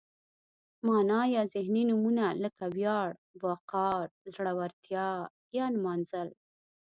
معنا یا ذهني نومونه لکه ویاړ، وقار، زړورتیا یا نمانځل.